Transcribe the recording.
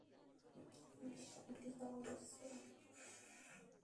নিষ্কৃতি পাওয়া গেছে।